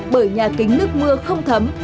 bởi nhà kính nước mưa không thấm